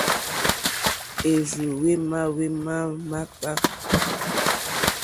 Hwérzù hwémá hwémǎkpâ.